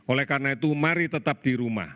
oleh karena itu mari tetap di rumah